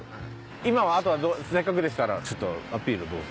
今はあとはせっかくでしたらちょっとアピールをどうぞ。